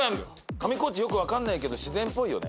上高地よく分かんないけど自然っぽいよね。